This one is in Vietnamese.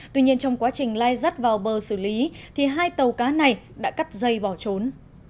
tuy nhiên trong quá trình lai rắt vào bờ xử lý thì hai tàu cá này đã cắt dây bỏ trốn